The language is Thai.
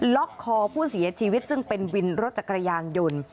ล็อกคอผู้เสียชีวิตซึ่งเป็นวินรถจักรยานยนต์